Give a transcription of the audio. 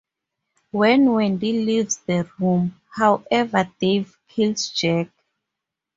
When Wendy leaves the room, however, Dave kills Jack.